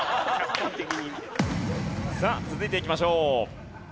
さあ続いていきましょう。